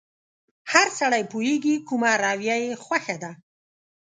هر سړی پوهېږي کومه رويه يې خوښه ده.